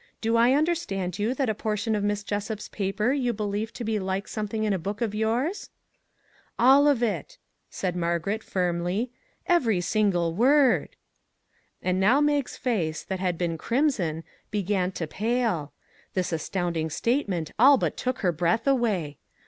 Do I under stand you that a portion of Miss Jessup's paper you believe to be like something in a book of yours ?"" All of it," said Margaret firmly, " every single word." And now Mag's face, that had been crimson, began to pale; this astounding statement all but took her breath away.